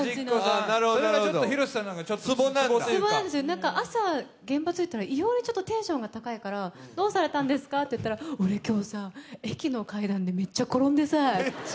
ツボなんですよ、朝、現場に着いたら異様にテンション高いからどうしたんですか？って聞いたら俺、今日さ、駅の階段でめっちゃ転んでさって。